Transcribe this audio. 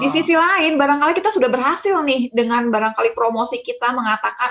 di sisi lain barangkali kita sudah berhasil nih dengan barangkali promosi kita mengatakan